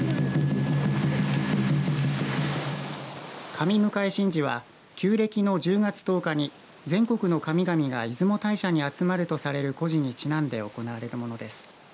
神迎神事は旧暦の１０月１０日に全国の神々が出雲大社に集まるとされる故事にちなんで行われるものです。